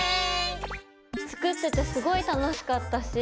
作っててすごい楽しかったし